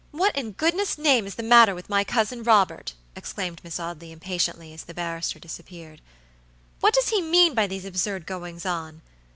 "What in goodness' name is the matter with my Cousin Robert?" exclaimed Miss Audley, impatiently, as the barrister disappeared. "What does he mean by these absurd goings on?